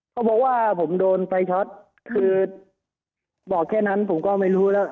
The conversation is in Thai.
เขาบอกว่าผมโดนไฟช็อตแค่นั้นผมก็ไม่รู้แล้วว่าความยุคมหายออก